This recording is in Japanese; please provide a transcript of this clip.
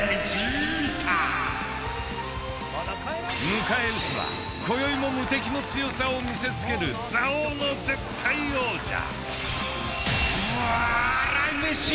迎え撃つはこよいも無敵の強さを見せつける「座王」の絶対王者。